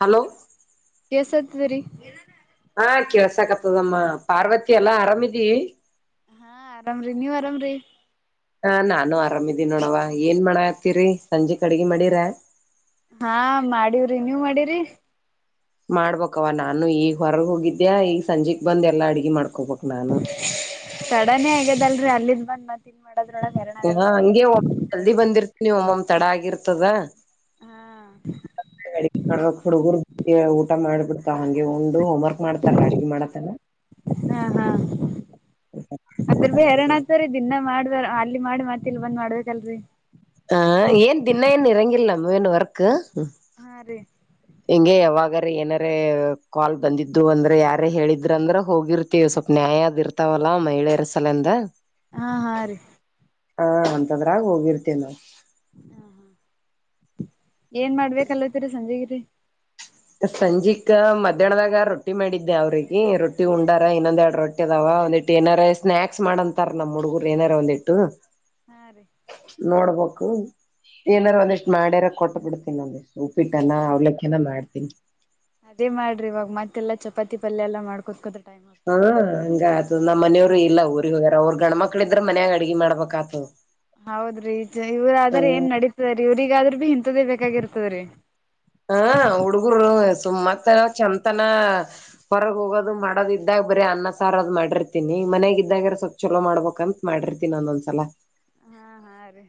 Hello. ಕೆಲ್ಸತದರಿ. ಹಾ ಕೆಳ್ಸಕತ್ತದಮ್ಮ ಪಾರ್ವತಿ ಎಲ್ಲಾ ಆರಾಮಿದಿ. ಹಾ ಆರಾಮ್ರೀ ನೀವ್ ಆರಾಮ್ರರಿ. ಹಾ ನಾನು ಆರಾಮಿದೀನಿ ನೋಡವ ಏನ್ ಮಾಡ ಆತೀರಿ ಸಂಜಿಕ್ ಅಡಗಿ ಮಾಡಿರಾ. ಹಾ ಮಾಡವ್ರಿ ನೀವ್ ಮಾಡಿರಿ. ಮಾಡ್ಬಕ್ವ ನಾನು ಈಗ ಹೊರಗ್ ಹೋಗಿದ್ದ್ಯಾ ಈಗ ಸಂಜೆಗ್ ಬಂದ ಎಲ್ಲಾ ಅಡ್ಗೆ ಮಾಡ್ಕೊಬೇಕ. ತಡನೇ ಆಗ್ಯದಲ್ರಿ ಅಲ್ಲಿದ್ದ್ ಬಂದ್ ಮತ್ತ ಇನ್ ಮಾಡದ್ರೊಳಗೆ. ಹಾ ಹಂಗೆ ಒಮ್ಮ ಜಲ್ದಿ ಬಂದಿರ್ತೀನಿ ಒಮ್ಮಮ್ಮ ತಡ ಆಗಿರ್ತದ. ಹಾ ಹುಡುಗರು ಊಟ ಮಾಡ್ಬಿಡ್. ಹಂಗೆ ಉಂಡು ಹೋಮ್ ವರ್ಕ್ ಮಾಡ್ತಾರ ಅಡಗೆ ಮಾಡತನ. ಹಾ ಹಾ ಅದ್ರ ಮಾಡ್ಬಿಡ್ತಾರ ಭ ಎರಣ ಹಂಗೆ ಆತರಿ. ದೀನ್ನಾ ಮಾಡ ಅಲ್ಲಿ ಮಾಡಿ ಮತ್ತ ಇಲ್ ಬಂದ್ ಮಾಡ್ಬೇಕಲ್ರರಿ. ಹ ಏನ್ ದಿನ ಏನ್ ಇರಂಗಿಲ್ಲ ನಮ್ ಏನ್ ವರ್ಕ್. ಹಾ ರೀ. ಹಿಂಗೆ ಯಾವಾಗಾರ ಏನಾರ ಕಾಲ್ ಬಂದಿದ್ರು ಅಂದ್ರೆ ಯಾರ ಹೇಳಿದ್ರ ಅಂದ್ರ ಹೋಗಿರ್. ತ್ತಿವ್ ಸ್ವಲ್ಪ ನ್ಯಾಯ ಅದ್ ಇರ್ತಾವಲ್ಲಾ ಮಹಿಳೆಯರ ಸಲಂದ. ಹಾ ಹಾ ರೀ. ಹಾ ಅಂತದ್ರಾಗ ಹೋಗಿರ್ತೇವಿ ನಾವು. ಏನ್ ಮಾಡ್ಬೇಕಲ್ತ್ತೀರಿ ಸಂಜೆಗಿರಿ. ಸಂಜಿಕ ಮಧ್ಯಾಹ್ನದಾಗ ರೊಟ್ಟಿ ಮಾಡಿದ್ದೆ ಅವ್ರಿಗೆ ರೊಟ್ಟಿ ಉಂಡಾರ ಇನ್ನೊಂದ್ ಎರಡು ರೊಟ್ಟಿ. ದಾವ ಒಂದಿಟ್ಟು ಏನಾರ ಸ್ನಾಕ್ಸ್ ಮಾಡ ಅಂತಾರ ನಮಮ್ಮ ಹುಡುಗರು ಏನಾರ ಒಂದ ಇಟ್ಟು. ಹಾ ರೀ. ನೋಡ್ಬೇಕು ಹಾ ಏನಾರು ಹಾ ಒಂದಿಷ್ಟ್ ಮಾಡ್ಯಾರ ಕೊಟ್ಟ ಬಿಡ್ತೀನ ಒಂದಿಷ್ಟು. ಉಪ್ಪಿಟ್ಟನ ಅವಲಕ್ಕ್ಯನ ಮಾಡ್ತೀನಿ. ಅದೇ ಮಾಡ್ರಿ ಇವಾಗ ಮತ್ತೆಲ್ಲ ಚಪಾತಿ ಪಲ್ಯ ಎಲ್ಲ ಮಾಡ್ಕೂತ್ಕೋತ ಟೈಮ ಆಗಿ. ಹಾ ಹಂಗ ಆತು ನಮ್ಮ್ನೆಯವ್ರು ಇಲ್ಲ ಊರಿಗೆ ಹೋಗ್ಯಾರ ಅವ್ರರು ಗಂಡ್ಮಕ್ಳ ಇದ್ರ ಮನ್ಯಾಗ ಅಡ್ಗೆ ಮಾಡ್ಬೇಕ ಆತದ. ಹೌದ್ರಿ ಇವ್ರಾದ್ರ ಹ್ಮ ಏನ್ ನಡೀತದ ಇವ್ರಗಾದ್ರರು ಭಿ ಇಂತದ್ದೇ ಬೇಕಾಗಿರ್ತದ್ರೀ. ಹ ಹುಡುಗರು ಸುಮ್ಮತ್ ಚಂತನ. ಹೊರಗೆ ಹೋಗೋದು ಮಾಡೋದ ಇದ್ದಾಗ ಬರೀ ಅನ್ನ ಸಾರ ಅದು ಮಾಡಿರ್ತಿನಿ ಮನ್ಯಾಗ ಇದ್ದಾಗಾರ ಸ. ಚಲೋ ಮಾಡ್ಬೇಕಂತತ್ ಮಾಡಿರ್ತಿನೀ ಒಂದೊಂದಸಲ. ಹಾ ಹಾ ರೀ.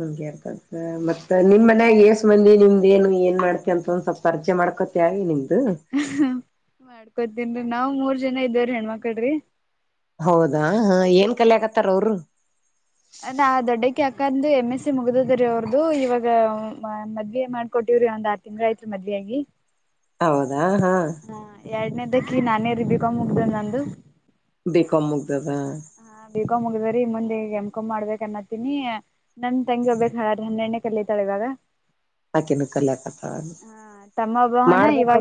ಹಂಗೆ ಇರ್ತದ. ಹ ಮತ್ತ ನಿಮ್ ಮನ್ಯಾಗ ಏಸ್ ಬಂದಿ ನಿಮ್ದೇನ್ ಏನ್ ಮಾಡ್ತಿ ಅಂತ ಒಂದ್ ಸ್ವಲ್ಪ ಪರ್ಚೆ ಮಾಡ್ಕೊತಿಯ ಅವಿ ನಿಮ್ದು. ಹ ಮಾಡ್ಕೊತನ್ರಿ ನಾವ್ ಮೂರ್ ಜನ ಇದೇವ್ರೀ ಹೆಣ್ಮಕ್ಳ್ರೀ. ಹೌದಾ ಏನ್ ಕಲೆಯಕ್ಕಥರ ಅವರು. ಅ ನಾ ದೊಡ್ಡಕಿ ಅಕ್ಕಂದು ಎಮ ಎಸ್ ಸಿ ಮುಗ್ದದ ರೀ ಅವ್ರದು ಇವಾಗ ಮದ್ವೇ ಮಾಡ್ಕೊಟ್ಟವ್ರಿ ಒಂದು ಆ. ತಿಂಗಾಯ್ತ್ರಿ ಮದ್ವೇ ಆಗಿ. ಹೌದಾ ಹಾ. ಹಾ ಎರಡನೇದಕಿ ನಾನೇ ರಿ ಬಿಕಾಂ ಮುಗ್ದದನಂದು. ಬಿ ಕಾಮ್ ಮುಗ್ದದ. ಹ ಬೀಕೊಮ ಮುಗ್ದ್ರೀ ಮುಂದೆ ಎಮ್ ಕಾಮ್ ಮಾಡ್ಬೇಕಕ್ ಅನ್ನತ್ತೀನಿ. ನಮ್ ತಂಗಿ ಒಬ್ಕಕ್ ಹಾದ್ರ ಹನ್ನೆಣ್ಣೆ ಕಲೀತಾಳ ಇವಾಗ. ಆಾಕೆನು ಕಲ್ಯಕತ್ತಾಳ ಹ [inaudible] ಮಾಡ್ಬೇಕ.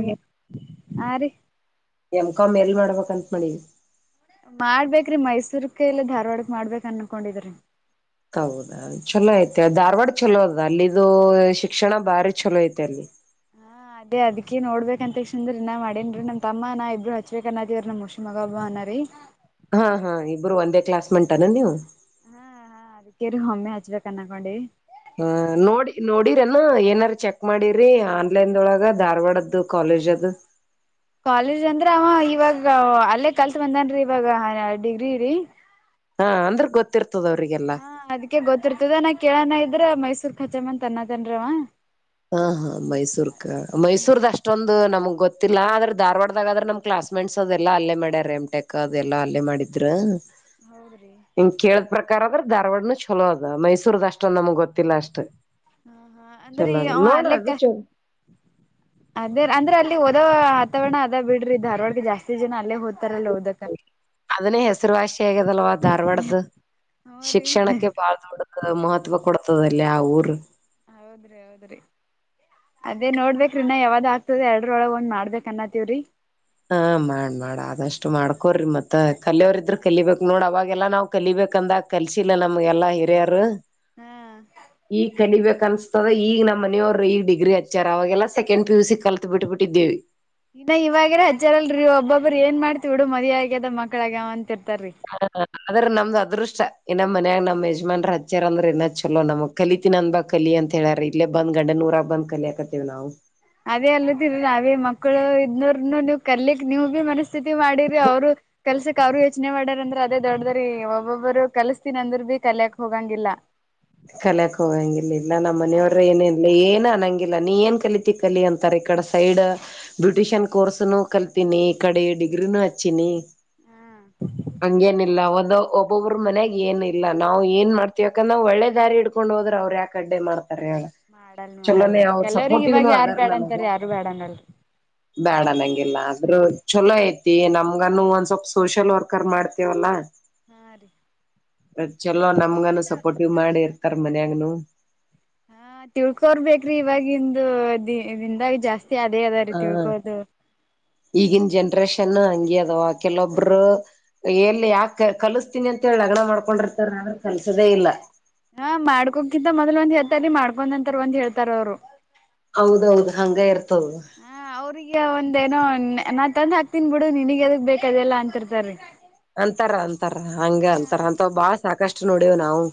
ಆ ರೀ- ಎಮ್ ಕಾಮ್ ಎಲ್ಲಿ ಮಾಡ್ಬೇಕಂತ್ ಮಾಡಿ. ಮಾಡ್ಬೇಕ್ರೀ ಮೈಸೂರ್ಕ್ ಇಲ್ಲ ಧಾರವಾಡಕ್ ಮಾಡ್ಬೇಕ ಅನ್ಕೊಂಡಿದ್ರಿ. ಹೌದಾ ಚಲೋ ಐತೆ ಧಾರವಾಡ ಚಲೋ ಅದ ಅಲ್ಲಿಿದು ಶಿಕ್ಷಣ ಬಾರಿ ಚಲೋ ಐತೆ ಅಲ್ಲಿ. ಹಾ- ಅದ ಅದ್ಕ ನೋಡ್ಬೇಕ ಅಂತ ತಕ್ಷಸನ್ೀ ನ ಮಾಡೇನ್ೀ ನಮ್ ತಮ್ಮ ನಾ ಇಬ್ಬರು ಹಚ್ಬೇಕ ಅದೇವ ನಮ್ಮ ಹುಷಿ ಮಗಬ್ಬ ಅನರೀ. ಹಾ ಹಾ ಇಬ್ರು ಒಂದೇ ಕ್ಲಾಸ್ಮಂಟಾನ ನೀವು. ಹಾ ಹಾ ಅದಕ್ಕೇರಿ ಒಮ್ಮೆ ಹಚ್ಬೇಕ ನಕೊಂಡಿ. ಹ ನೋಡಿ ನೋಡಿರೆನ ಏನಾರ ಚೆಕ್ ಮಾಡಿ್ರರಿ ಆನ್ಲೈನ್ದೊಳಗ ಧಾರವಾಡದ್ದು ಕಾಲೇಜ್ದ್ದು. ಕಾಲೇಜ್ ಅಂದ್ರ ಅವ ಇವಾಗ ಅಲ್ಲೇ ಕಲ್ತ್ ಬಂದನ್ೀ ಇವಾಗ ಡಿಗ್ರಿ ರೀ. ಹಾ ಅಂದ್ರೆ ಗೊತ್ತಿರ್ತದ ಅವ್ರರಿಗೆಲ್ಲಾ. ಅೆ ಗೊತ್ತಿರ್ತದ ನಾ ಕೇಳೋಣ ಇದ್ರ ಮೈಸೂರ್ ಖಚಾಮ ಅಂತ ಅನ್ನತನ್ವ. ಹಾ ಹಾ ಮೈಸೂರ್ಕ ಮೈಸೂರ್ದ ಅಷ್ಟೊಂದು ನಮ್ಗ್ ಗೊತ್ತಿಲ್ಲ ಆದ್ರೆ ಧಾರ್ವಾಡದಾಗ ಆದ್ರೆ ನಮ. ಕ್ಲಾಸ್ ಮೇಟ್ಸ್ ಅದೆಲ್ಲಾ ಅಲ್ಲೇ ಮಾಡ್ಯಾರ ಎಮ್ಟಕ್ ಅದೆಲ್ಲಾ ಅಲ್ಲೇ ಮಾಡಿದ್ರ. ಹೌದ್ರಿ. ಹಿಂಗ ಕೇಳಿದ ಪ್ರಕಾರ ಆದದ್ರೆ ಧಾರವಾಡ ಚಲೋ ಅದ್ ಮೈಸೂರದ ಅಷ್ಟಂದ್ ನಮ್ಗ್ ಗೊತ್ತಿಲ್ಲ ಅಷ್ಟ್. ಹಾ ಹಾ ಅಂದ್ರೆ ಅವ ಅಲೇಕ್ಕ. ಅದು ಚ ಅದೇ ಅಂದ್ರೆ ಅಲ್ಲಿಓದ ವತಾವರಣ ಅದ ಬಿಡ್ರಿ ಇದ ಧಾರ್ವಾಡ್ನಾಗ ಜಾಸ್ತಿ ಜನ ಅಲ್ಲೇ ಹದ್ತಾರಲ್ಲ ಓದಕ್. ಅದನ್ನೇ ಹೆಸರುವಾಸಿ ಆಗದಲ್ವಾ ಧಾರ್ವಾಡ್ದ ಹ್ರೀ ಶಿಕ್ಷಣಕ್ಕೆ ಬಾಳ ದೊಡ್ಡದ. ಮಹತ್ವ ಕೊಡ್ತದಲ್ಲಿ ಆ ಊರ್. ಹೌದ್ರಿ ಹೌದ್ರಿ. ಅದೇ ನೋಡ್ಬೇಕ್ರೀನಾ ಯಾವ್ದ್ ಆಗ್ತದೆ ಎರಡರೊಳಗೆ ಒಂದ್ ಮಾಡ್ಬೇಕಕ್ ಅನ್ನತೀವ್ರರಿ. ಹ ಮಾಡ್ ಮಾಡ ಆದಷ್ಟು ಮಾಡ್ಕೋರಿ ಮತ್ತತ್ ಕಲಿಯೋರ ಇದ್ರರು ಕಲಿಬೇಕಕ್ ನೋಡ್ ಅವಾಗೆಲ್ಲಾ ನಾವ್ ಕಲಿಬೇಕಂದ. ಕಲ್ಸಿಲ್ಲ ನಮಗೆ ಎಲ್ಲಾ ಹಿರಿಯರು ಹಾ ಈಗ ಕಲಿಬೇಕನ್ಸ್. ಅದ ಈಗ ನಮ್ಮನವ್ರು ಈ ಡಿಗ್ರಿ ಹಚ್ಚಾರ ಅವಾಗೆಲ್ಲ ಸಕೆಂಡ್ ಪಿ ಯು ಸಿ ಕಲ್ತ್ ಬಿಟ್ಬಿಟ್ಟಿದ್ದೇವಿ. ಇನ್ನ ಇವಾಗಿರ ಹಚ್ಚಾರಲ್ರಿ ಒಬ್ಬೊಬ್ರ ಏನ್ ಮಾಡ್ತಿ ಬಿಡು ಮದುವಿ ಆಗ್ಯದ ಮಕ್ಳ ಆಗ್ಯವ ಅಂತ ಇರ್ತಾರೀ. ಹ ಆದ್ರ ನಮ್ದ್ ಅದೃಷ್ಟ ಇನ್ನ್ ಮನ್ಯಾಗ ನಮ್ ಯಜಮಾನ್ರ ಹಚ್ಚ್ಯಾರ ಅಂದ್ರೆ ಇನ್ನ್ ಚಲೋ ನಮಕ್. ಕಲಿತೀನಿ ಅಂದ ಬಾಗ ಕಲಿ ಅಂತ ಹೇಳಾರ ಇಲ್ಲೇ ಬಂದ ಗಂಡನೂರಾಗ ಬಂದ ಕಲಿಕತ್ತೇವಿ ನಾವು. ಅದೇ ಅಲ್ಲದಿಲ್ಲ ನಾವೇ ಮಕ್ಕಳು ಇದ್ನೋರ್ನು ನೀವ್ ಕರ್ಲಿಕ್ ನೀವು ಭೀ ಮನಸ್. [unintelligible] ಸ್ಥಿತಿ ಮಾಡಿರಿ ಅವ್ರು. ಕಲ್ಸಕ್ ಅವರು ಯೋಚ್ನೆ ಮಾಡಾರ ಅಂದ್ರೆ ಅದೇ ದೊಡದ್ರೀ ಒಬ್ಬೊಬ್ರು ಕಲ್ಸ್ತೀನ ಅಂದ್ರ ಭೀ ಕಲ್ಯಕ್ ಹೋಗಂಗಿಲ್ಲ. ಕಲಯಕ್ ಹೋಗಂಗಿಲ್ಲಿಲ್ಲ ಹಾ ನಮ್ಮ್ನೆಯವ್ರ ಏನ ಇಲ್ಲ ಏನ್ ಅನಂಗಿಲ್ಲ ನೀ ಏನ್ ಕಲತಿ. ಕಲಿ ಅಂತಾರ ಈ ಕಡೆ ಸೈಡ್. ಬ್ಯೂಟಿಷನ್ ಕೋರ್ಸ್ನು ಕಲ್ತೀನಿ ಈ ಕಡೆ ಡಿಗ್ರಿನೂ ಹಚ್ಚಿನಿ. ಹ್ಮ್- ಹಂಗೇನಿಲ್ಲಾ ಒದ ಒಬ್ಬೊಬ್ಬ್ರ ಮನ್ಯಾಗ ಏನ್ ಇಲ್ಲ ನಾವ್ ಏನ್ ಮಾಡ್ತೀವಿ ಅಕ್ಕ ಒಳ್ಳೇದ. ದಾರಿ ಇಡ್ಕೊಂಡು ಹೋದ್ರ ಅವರು ಯಾಕ ಹಡ್ಡೆ ಮಾಡ್ತಾರ ಹೇಳ. ಮಾಡಲ್ ಚಲೋನೇ ಮಾಡಲ್ರಿ ಅವ್ರ ಕೆಲವ್ರಗ್ ಇವಾಗ ಸಪೋರ್ಟಿವ್ನು ಯಾರು ಅದಾರ ಬ್ಯಾಡ ಅಂತರ ಯಾರು ಬ್ಯಾಡನಲ್ರಿ. ಬೇಡ ನಂಗಗೆಲ್ಲ ಆದ್ರರು ಚಲೋ ಐತಿ ನಮಗನ್ನು ಒಂದ ಸ್ವಲ್ಪ ಸೋಷಿಯಲ್ ವರ್ಕರ್ ಮಾಡ್ತೇವಲ್ಲಾ. ಹಾ ರೀ- ಮತ್ ಚಲೋ ನಮ್ಗಾನ ಸಪೋರ್ಟಿವ್ ಮಾಡಿ ಇರ್ತಾರ ಮನ್ಯಾಗನು. ಹಾ ತಿಳ್ಕೋರ್ ಬೇಕ್ರಿ ಇವವಾಗಿಂದು ದ ದಿಂದಾಗ ಜಾಸ್ತಿ ಅದೇ ಅದಾರಿ ತಿಳ್ಕೋದು. ಈಗನ್ ಜನ್ರೇಷನ್ ಹಂಗ ಅದವಾ ಕೆಲವೊಬ್ರು. ಎಲ್ಲಿ ಯಾಕ ಕಲಸ್ತೀನಿ ಅಂತ ಹೇಳಿ ಲಗ್ನ ಮಾಡ್ಕೊಂಡಿರ್ತಾರ ಆದ್ರ ಕಲ್ಸದೆೇ ಇಲ್ಲ. ಹಾ ಮಾಡ್ಕೋಕಿಂತ ಮೊದ್ ಒಂದ್ ಹೇತಾರ ಮಾಡ್ಕೊಂಡಂತಾರ ಒಂದ ಹೇಳ್ತಾರ ಅವ್ರು. ಹೌದೌದು ಹಂಗ ಇರ್ತ. ಹ ಅವ್ರಿಗೆ ಒಂದ ಏನೋ ನಾನ್ ತಂದ್ ಹಾಕ್ತನ್ ಬಿಡು ನಿನಗ್ ಅದಗ್ ಬೇಕದೆಲ್ಲಾ ಅಂತಿರ್ತಾರೀ. ಅಂತಾರ ಅಂತಾರ ಹಂಗ ಅಂತಾರ ಹಾ ಅಂತ ಬಾಳ್ ಸಾಕಷ್ಟು ನೋಡವ್ ನಾವು.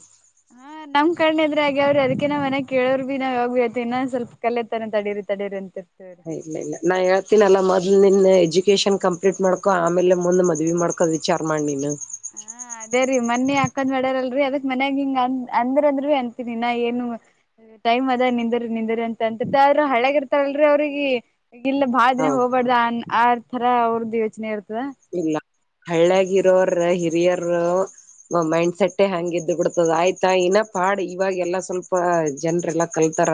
ಹಾ ನಮ್ ಕಣ ಇದ್ರೆ ಹಾಗೆ ಅವ್ರೆ ಅದಕೇ ನ ಮನೆ ಕೇಳೋ್ ಭಿ ನಾವ ಯಾವಾಗ ಭ ಆಯತತಿ ಇನ್ನ ಸ್ವಲ್ಪ ಕಲ್ಲೆ ತನ. [unintelligible] [unintelligible] ಇಲ್ಲ ಇಲ್ಲ ನಾ ಹೇಳ್ತೇನ ಅಲ್ಲ ಮೊದ್ ನಿನ್ ಎಜುಕೇಶನ್ ಕಂಪ್ಲೀಟ್ ಮಾಡ್ಕೊ ಆಮೇಲೆ ಮುಂದ್ ಮದ್ವಿ ಮಾಡ್ಕೊ. ವಿಚಾರ ಮಾಡ ನೀನು. ಹಾ- ಅದೇ ರೀ ಮನ್ನಿ ಅಕ್ಕಂದ್ ಒಡ್ಯಾರಲ್ರರಿ ಅದಕ್ ಮನ್ಯಾಗ ಹಿಂಗ ಅ ಅಂದ್ರ ಅಂದ್ರ ಭೀ ಅಂತೀನಿ ನಾ ಏನು. ಟೈಮ್ ಅದ ನಿಂದ್ರಿ ನಿಂದ್ರಿ ಅಂತ ಅಂತತ್ತ ಆದ್ರರು ಹ ಅಳ್ಯಾಗ ಇರ್ತಾರಲ್ರರಿ ಅವ್ರಿಗೆ. ಈ ಇಲ್ಲ ಬಾ ದಿನ ಹೌದು ಹೋಗಬಾರ್ದು ಆರ್ ತರ ಅವ್ರದ್ದು ಯೋಚನೆ ಇರ್ತದ. ಇಲ್ಲ ಹಳ್ಳಗರೋರ ಹಿರಿಯರ್. ಮೈಂಡ್ಸೆಟ್ಟೇ ಹಂಗಗೆ ಇದದು ಬಿಡ್ತದ ಆಯ್ತಾ ಇನ್ನ ಪಾಡ್ ಇವಾಗೆಲ್ಲ ಸ್ವಲ್ಪ ಜನ್ರೆಲ್ಲ. ಕಲ್ತಾರ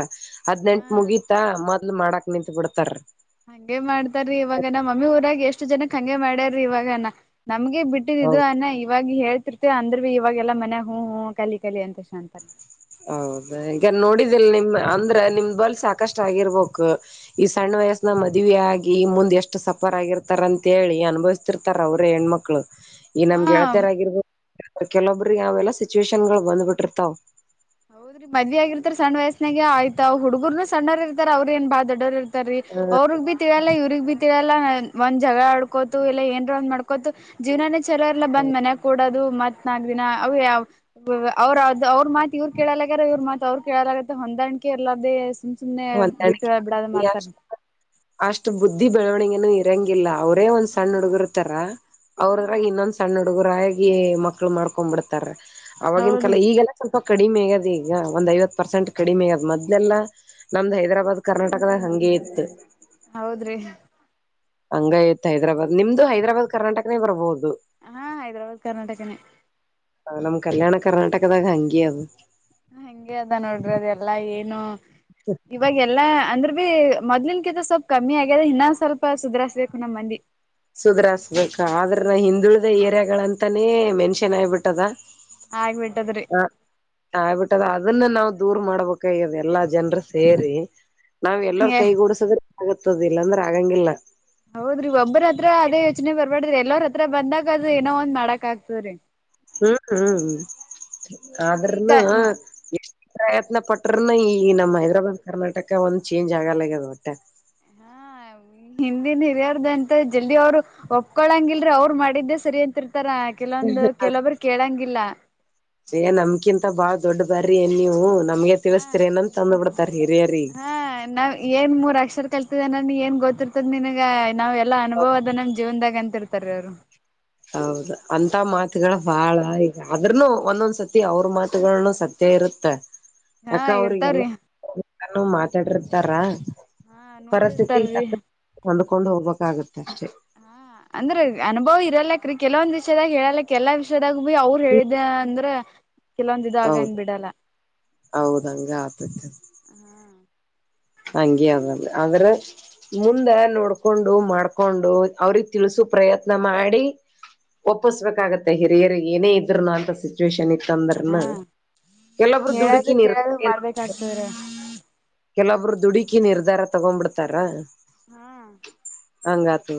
ಹದ್ನೆಂಟ್ ಹಾ ಮುಗೀತಾ ಮೊದ್ಲು ಮಾಡಾಕ್ ನಿಂತತ್ ಬಿಡ್ತಾರ. ಹಂಗಗೆ ಮಾಡ್ತಾರೀ ಇವಾಗ ನ ಮಮ್ಮಿ ಊರಾಗ ಎಷ್ಟ್ ಜನಕ್ ಹಂಗೆ ಮಾಡ್ಯಾರೀ ಇವಾಗನ ನಮ್ಗೆ ಬಿ. ಹೌ [unintelligible] ಅನ್ನ ಇವಾಗ ಹೇಳ್ತಿರ್ತೆ ಅಂದ್ರ ಭೀ ಇವಾಗೆಲ್ಲ ಮನ ಹು ಹು ಕಲಿ ಕಲಿ ಅಂತ ಅಂದುಗೇಶಿ ಅಂತಾರ. ಹೌದಾ ಹಗ ನೋಡಿದಿಲ್ ನಿಮ ಅಂದ್ರೆ ನಿಮ್ದ ಬಲ್ ಸಾಕಷ್ಟ್ ಆಗಿರ್ಬೇಕು. ಈ ಸಣ್ಣ ವಯಸ್ಸನ ಮದುವೆ ಆಗಿ ಮುಂದ್ ಎಷ್ಟು ಸಫರ್ ಆಗಿರ್ತಾರ ಅಂತ ಹೇಳಿ ಅನುಭವಿಸಿ. ಹತಿತಾರ ಅವ್ರೇ ಹೆಣ್ಮಕ್ಳು. ಈ ಹಾ ನಮ್ಗೆಳಳ್ತರಾಗಿರ್ಬೋದು ಕೆಲೊಬ್ರಿಗೆ ಯೆಲ್ಲ ಸಿಚುವೇಶನ್ ಗಳು ಬಂದ್ ಬಿಟ್ಟಿರ್ತಾವ್. ಹೌದ್ರೀ ಮದ್ ಆಗಿರ್ತ ಸ್ಣ ವಯಸ್ಸನಾಗ ಆಯ್ತ ಹುಡ್ಗರ್ನು ಆ ಹುಡುಗರನ್ನು ಬಾಳ್ ಸಣ್ಣೋರ್ ಇರ್ತಾರ ಅವ್ರ ಏನ್ ಬಾ ದೊಡ್ಡ. ಅವ್ರಗ್ ಬಿ ತಿಳಲ್ಲ ಇವ್ರಗ್ ಬಿ ತಿಳಲ್ಲ ಒಂದ್ ಜಗಡ್ ಆಡ್ಕೋತು ಇಲ್ಲ ಏನ್ರ್ ಒಂದು ಮಾಡ್ಕ. ಕೊತ ಜೀವನಾನೇ ಚಲೋಲ್ಲ ಬಂದ್ ಮನೆ ಕೂಡೋದು ಮ. ನಾಲ್ಕು ದಿನ ಅವೇ ಅವ್ರ ಅವ್ರರು ಮಾ. ಇವ್ರು ಕೇಳಲಗಾರ ಇವ್ರರು ಮಾತ್ ಅವರು ಕೇಳಲಾಗರ ಹೊಂದಾಣಿಕೆ ಇರಲಾರದೆ ಸುಮ್ಮ. ಸುಮ್ನೆ ಹ ಬಿಟ್ಟ ಬಿಡಾದ್ ಹೊಂದಾಣಿಕೆ ಮಾಡ್ತಾರ. ಅಷ್ಟು ಬುದ್ಧಿ ಬೆಳವಣಿಗೆನು ಇರಂಗಿಲ್ಲ ಅವ್ರು. ಒಂದ್ ಸಣ್ಣ ಹುಡುಗಿರ್ತಾರ ಅವ್ರಾಗ ಇನ್ನೊ್ ಸಣ್ಣ ಹುಡುಗ. ಹುಡುಗರಾಗಿ ಮಕ್ಳು ಮಾಡ್ಕೊಂಡ್ ಬಿಡ್ತಾರ ಅವವಾಗಿನ ಹೌದು ಕಾಲ ಈಗೆಲ್ಲ. ಸ್ವಲ್ಪ ಕಡಿಮೆ ಆಗಾದ್ ಈಗ ಒಂದ್ ಐವತ್ ಪರ್ಸೆಂಟ್ ಕಡಿಮೆ ಆಗಾದ್ ಮೊದ್ಲೆಲ್ಲಾ. ನಮ್ದ್ ಹೈದರಾಬಾದ್ ಕರ್ನಾಟಕದಾಗ ಹಂಗೇ ಇತ್ತು. ಹೌದ್ರಿ. ಹಂಗ ಇತ್ ಹೈದರಾಬಾದ್ ನಿಮ್ದು ಹೈದರಾಬ್ ಕರ್ನಾಟಕ ನೆ ಬರಬಹುದು. ಹಾ ಹೈದ್ರಾಬಾದ್ ಕರ್ನಾಟಕನೇ. ನಮ್ ಕಲ್ಯಾಣ ಕರ್ನಾಟಕದಾಗ ಹಂಗೆ ಅದ. ಹಂಗೆ ಅದ ನೋಡ್ರಿ ಅದ ಎಲ್ಲಾ ಏನು ಇವಾಗ ಎಲ್ಲಾ ಅಂದ್ರ. ಮೊದ್ಲಿನ ಕಿಂತ ಸ್ವಲ್ಪ ಕಮ್ಮಿ ಆಗ್ಯದ ಇನ್ನೊ ಸ್ವಲ್ಪುಧ್ರಾಸ್ಬೇಕು ನಮ್ಮ್ ಮಂದಿ. ಸುಗ್ರಸ್ಬೇಕ ಆದ್ರ ನ ಹಿಂದುಳಿದ ಏರಿಯಾಗಳ ಅಂತಾನೇ ಮೆನ್ಷನ್ ಆಗಿಬಿಟ್ಟದ. ಆಗ್ಬಿಟ್ಟದ್ರಿ. ಆಗ್ಬಿಟ್ಟಿದ ಅದನ್ನ ನಾವವು ದೂರ್ ಮಾಡಬೇಕಾಗ್ಯಾಡ. ಎಲ್ಲಾ ಜನರು ಸೇರಿ ನಾವ್ ಎಲ್ಲರ ಏ ಕೈಗೂಡಸುದ್ರೆ ಆಗತ್ತದ ಇಲ್ಲಾಂದ್ರೆ ಆಗಂಗಿಲ್ಲ. ಹೌದ್ರಿ ಒಬ್ಬರ ಹತ್ರ ಅದೇ ಯೋಚನೆ ಬರ್ಬಾರಡ್ರಿ ಎಲ್ಲರ ಹತ್ರ ಬಂದಾಗ ಅದು ಏನೋ ಒಂದ್ ಮಾಡಕ್ ಆಗ್ತದ್ರಿ. ಹ್ಮ್ ಹ್ಮ್ ಈಗ ಆದ್ರನ್ನ. ಪ್ರಯತ್ನ ಪಟ್ರನ ಈ ನಮ್ ಹೈದ್ರಾಬಾದ್ ಕರ್ನಾಟಕ ಒಂದ್ ಚೇಂಜ್ ಆಗಲ್ಲಗ್ಯದ ಒಟ್ಟೆ. ಹಾ. ಹಿಂದಿನ್ ಹಿರಿಯಾರ್ದ ಅಂತ ಜಲ್ದಿ ಅವ್ರು ಒಪ್ಕೊಳಂಗ ಇಲ್ರಿ ಅವ್ರು ಮಾಡಿದ್ದೆ ಸರಿ ಅಂತಿರ್ತಾರ. ಕೆಲವೊಂದು ಕೆಲೊಬ್ರು ಕೇಳಂಗಿಲ್ಲ. ಯ ನಮ್ಕಿಂತ ಬಾಳ್ ದೊಡ್ ಬರ್ರಿ ಏನ್ ನೀವು ನಮ್ಗೆ ತಿಳಿಸಸ್ತೀರಿ ಏನಂತ ಅಂದ್ ಬಿಡ್ತಾರ ಹಿರಿಯರಿ. ಹ ನಾವ್ ಏನ್ ಮೂರ್ ಅಕ್ಷರ ಕಲ್ತಿದನನ್ ಏನ್ ಗೊತ್ತಿರ್ತದ ನಿನಗ ನಾವ್ ಎಲ್ಲ ಅನುಭವ ಅದ ನಮ್ ಜೀವನ್ದಾಗ ಅಂತ.. ಇರ್ತಾರೆ ಅವ್ರು. ಹೌದು ಅಂತ ಮಾತುಗಳು ಬಾಳ ಈಗ ಅದ್ರನು ಒಂದೊಂದ್ ಸತಿ ಅವ್ರ ಮಾತುಗಳನು ಸತ. ಸತ್ಯ ಇರುತ್ತ ಹಾ ಯಾಕ ಅವ್ರಿಗೆಲ್ಲ ಇರ್ತಾವ್ರಿ ಮಾತಾಡಿರ್ತಾರ. ಹಾ ಪರಿಸ್ಥಿತಿಗೆ ನೋಡಿರ್ತಾರೀ ತಕ್ಕ ಹೋಂದ್ಕೊಂಡು ಹೋಗ್ಬೇಕಾಗುತ್ತೆ ಅಷ್ಟೆ. ಹಾ ಅಂದ್ರ ಅನುಭವ್ ಇರಲ್ಲ್ರ ಕೆಲವೊಂದ್ ವಿಷಯದಾಗ ಹೇಳ್ಯಾಕ್ ಎಲ್ಲ. ದಾಗ ಬಿ ಅವ್ರು ಹೇಳಿದ ಅಂದ್ರೆ ಕೆಲವೊಂದ ಇದ ಆಗಂಗ ಬಿಡಲ್ಲ. ಹೌದ ಹಂಗ ಆಗ್ತದ. ಹಂಗೆ ಅದ ಆದ್ರ. ಮುಂದೆ ನೋಡ್ಕೊಂಡು ಮಾಡ್ಕೊಂಡು ಅವ್ರಗ್ ತಿಳ್ಸು ಪ್ರಯತ್ನ ಮಾಡಿ. ಒಪ್ಪಿಸಬೇಕ ಆಗುತೆ ಹಿರಿಯರು ಏನೇ ಇದ್ರುನು ಅಂತಸಿ. ಸಿಚಿವೇಶನ್ ಇತ್ತ ಹಾ ಅಂದ್ರನ ಕೆಲೊಬ್ರು ಹೇಳದು ದುಡುಕಿನ ಕೇಳದು ನಿರ್ದ. [unintelligible] ಕೆಲೊಬ್ರು ದುಡುಕಿ ನಿರ್ಧಾರ ತಗೊಂಡ್ ಬಿಡ್ತಾರ. ಹಾ. ಹಂಗಾತು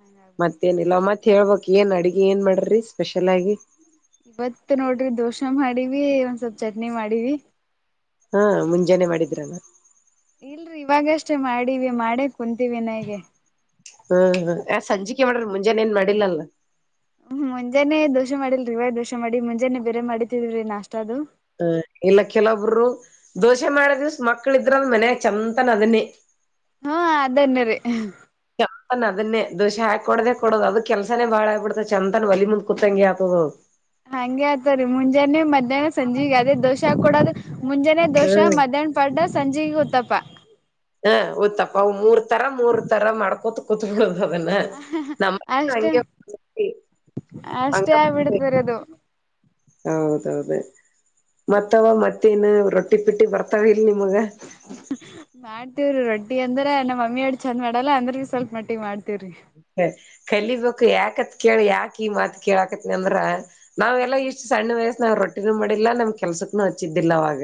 ಹಂಗಾಗ್ಬಿಡ್ತ ಮತ್ತೇನಿಲ್ಲ ಮತ್ತ. ಹೇಳ್ಬೇಕು ಏನು ಅಡುಗೆ ಏನ ಮಾಡ್ರಿ ಸ್ಪೆಷಲ್ ಆಗಿ. ಇವತ್ ನೋಡ್ರಿ ದೋಸ ಮಾಡಿವಿ ಒಂದ್ ಸ್ವಲ್ಪ ಚಟ್ನಿ ಮಾಡಿವಿ. ಹಾ ಮುಂಜಾನೆ ಮಾಡಿದ್ರ ಏನ್. ಇಲ್ರಿ ಇವಾಗಷ್ಟೇ ಮಾಡಿವಿ ಮಾಡೇ ಕುಂತೀವಿ ಇನಾ ಇಗೆ. ಹ್ಮ್ ಹ ಆ ಸಂಜಿಕೆ ಮಾಡ್ರಿ ಮುಂಜಾನೇ ಏನ್ ಮಾಡಿಲ್ಲಲ್ಲ. ಹ್ಮ ಮುಂಜಾನೆ ದೋಶ ಮಾಡಿಲ್ರಿ ಇವಾಗ ದೋಶ ಮಾಡಿ ಮುಂಜಾನೆ ಬೇರೆ ಮಾಡಿತಿದ್ರರಿ ನಾಷ್ಟ ಅದು. ಹ ಇಲ್ಲ ಕೆಲವಬ್ರು. ದೋಸೆ ಮಾಡ ದಿವ್ಸ ಮಕ್ಳ ಇದ್ರಂದ ಮನ್ಯಗ ಸಂಜಿತನ ಅದನ್ನೇ. ಹ್ಮ ಅದನ್ನ ರೀ. ಚಂದನ್ ಅದನ್ನೇ ದೋಷೆ ಹಾಕೊಡದೇ ಕೊಡೋದು ಅದ ಕೆಲ್ಸಾನೇ ಬಾಳ ಆಗ್ಬಿಡ್ತ ಚಂದನ್ ಒಲಿ ಮುಂದ್ ಕೂತಂಗಿ ಹಾಕೋದು. ಹಂಗೆ ಆತರೀ ಮುಂಜಾನೆ ಮಧ್ಯಾನ ಸಂಜೆಗ ಅದೇ ದೋಸ ಕೊೂಡದು ಮುಂಜಾನೆ ದೋಷಾ ಮಧ್ಯಾನ. ಪಡ್ಡ ಸಂಜೆಗೆ ಉತ್ತಪ್ಪ. ಹ ಉತ್ತಪ್ಪ ಮೂರ್ ತರ ಮೂರ್ ತರ ಮಾಡ್ಕೋತ. ಕುತ ಬಿಡೋದುದನ್ನ ನಮ್ಮ ಅಷ್ಟೇ ಹಂಗೆ. ಹಂಗ ಅಷ್ಟೇ ಆಗ್ಬ ಬಿಡ್ತರಿ ಅದು. ಹೌದೌದು. ಮತ್ತವ ಮತ್ತೇನು ರೊಟ್ಟಿ ಪಿಟ್ಟಿ ಬರ್ತಾವ ಇಲ್ ನಿಮಗ. ಮಾಡ್ತವ್ರಿ ರೊಟ್ಟಿ ಅಂದ್ರ ನಮ್ಮ ಮಮ್ಮಿ ಆಟ ಚೆಂದ್ ಮಾಡಲ್ಲ ಅಂದ್ರಗ ಸ್ವಲ್ಪ ಮಟ್ಟಿಗೆ ಮಾಡ್ತವ್ರಿ. ಕಲಿಬೇಕು ಯಾಕತ್ ಕೇಳ ಯಾಕ ಈ ಮಾತ್ ಕೆಳಕತ್ತೆನ್ ಅಂದ್ರ. ನಾವ್ ಹಾ ಎಲ್ಲಾ ರೀ ಇಷ್ಟು ಸಣ್ಣ ವಯಸ್ಸನ್ಯಾಗ ರೊಟ್ಟಿನ ಮಾಡಿಲ್ಲ ನಮ್ ಕೆಲ್ಸಕ್ಕನು ಹಚ್ಚಿದ್ದಿಲ್ಲ ಅವಾಗ.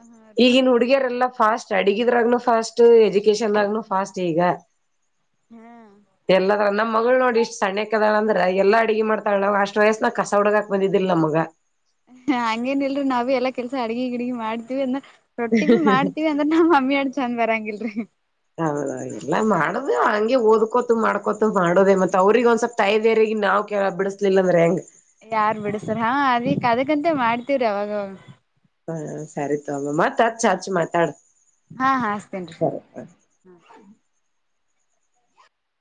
ಹಾ ರೀ ಈಗಿನ ಹುಡುಗಿಯರೆಲ್ಲಾ ಫಾಸ್ಟ್. ಸ್ಟಡಿಗ ಇದ್ರಾಗೂ ಫಾಸ್ಟ್ ಎಜುಕೇಶನ್ದಾಗನು ಫಾಸ್ಟ್ ಈಗ. ಹ್ಮ್. ಎಲ್ಲಾದಾರಗ ನಮ್ಮ್ ಮಗಳು ನೋಡಿ ಇಷ್ಟ್ ಸಣ್ಣ ಕದಳಂದ್ರ ಎಲ್ಲ ಅಡುಗೆ ಮಾಡ್ತಾಳ್ಣಲ್ಲ ಅಷ್ಟ ವಯಸ್ಸ ನ ಕಸ ಹುಡಗಾಕ್ ಬಂದಿದ್ದಿಲ್ಲ ನಮ್ಗ. ಹ ಹಂಗೇನ್ ಇಲ್ರರಿ ನಾವ್ ಬಿ ಎಲ್ಲಾ ಕೆಲ್ಸ ಅಡಗ ಗಿಡಗಿ ಮಾಡ್ತಿವಿ ಅಂದ. ರೊಟ್ಟಿಗೂ ಮಾಡ್ತಿವಿ ಅಂದ್ರೆ ನಮ್ಮ್ ಮಮ್ಮಿ ಅಷ್ಟ್ ಚಂದ್ ಬರಂಗಿಲ್ ರೀ. ಹೌದಾ ಎಲ್ಲ ಮಾಡದೇ ಹಂಗೆ ಓದಕೋತ ಮಾಡ್ಕೋತ ಮಾಡೋದೇ ಮತ್ತ್ ಅವರೀಗೆ ಒಂದಸಲ್ ತೈದೇರಿಗಿ ನಾವು ಕೆ ಬಿಡಿಸಲಿಲ್ಲ ಅಂದ್ರೆ ಹೆಂಗ್. ಯಾರ್ ಬಿಡ್ಸತ್ತಾರ ಹಾ ಅದಿಕ್ ಅದಕ್ಕಂತೆ ಮಾಡ್ತವ್ರಿ ಅವಾಗ ಅವಾಗ. ಹಾ ಸರಿತು ಅಮ್ಮ ಮತ್ ಹಚ್ ಹಚ್ ಮಾತಾಡು ಹಾ ಹಸ್ತೇನ್ ರೀ